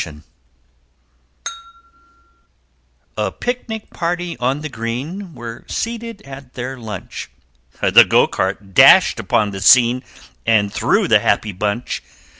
A Picnic Party on the green Were seated at their lunch The Go cart dashed upon the scene And through the happy bunch!